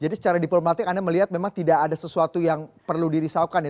secara diplomatik anda melihat memang tidak ada sesuatu yang perlu dirisaukan ya